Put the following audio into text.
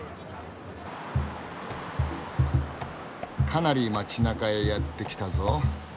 かなり街なかへやって来たぞ。